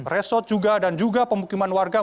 resort juga dan juga pemukiman warga